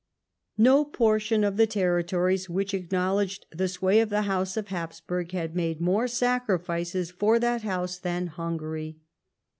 No portion of the territories which acknowledged the sway of the House of Habsburg had made more sacrifices for that House than Hungary.